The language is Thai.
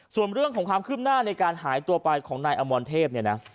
ส่วนเรื่องของความคืบหน้าในการหายตัวไปของนายอมรเทพเนี่ยนะ